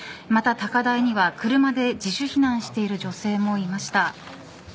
また、高台には車で自主避難している女性もいました。